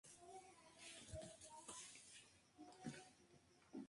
De ahí que no sea recomendable para protocolos cifrados.